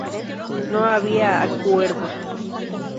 No había acuerdo.